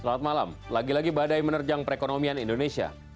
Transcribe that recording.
selamat malam lagi lagi badai menerjang perekonomian indonesia